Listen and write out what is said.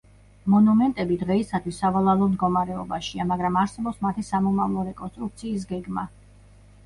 მონუმენტები დღეისათვის სავალალო მდგომარეობაშია, მაგრამ არსებობს მათი სამომავლო რეკონსტრუქციის გეგმა.